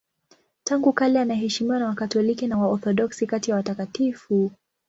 Tangu kale anaheshimiwa na Wakatoliki na Waorthodoksi kati ya watakatifu.